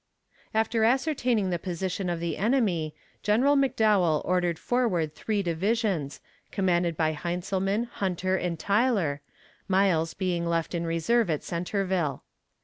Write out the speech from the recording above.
After ascertaining the position of the enemy, Gen. McDowell ordered forward three divisions, commanded by Heintzelman, Hunter and Tyler, Miles being left in reserve at Centerville.